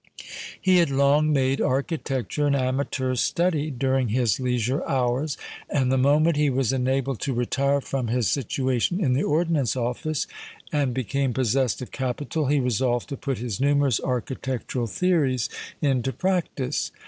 He had long made architecture an amateur study during his leisure hours; and the moment he was enabled to retire from his situation in the Ordnance Office, and became possessed of capital, he resolved to put his numerous architectural theories into practice.